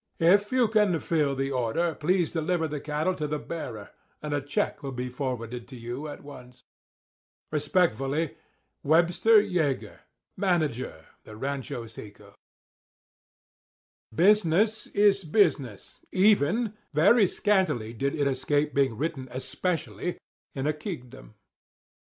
If you can fill the order please deliver the cattle to the bearer; and a check will be forwarded to you at once. Respectfully, Webster Yeager, Manager the Rancho Seco. Business is business, even—very scantily did it escape being written "especially"—in a kingdom.